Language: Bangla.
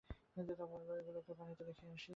এগুলোকে পানিতে রেখে আসি।